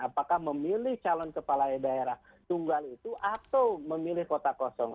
apakah memilih calon kepala daerah tunggal itu atau memilih kota kosong